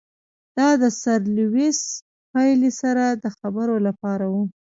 دا د سر لیویس پیلي سره د خبرو لپاره وو.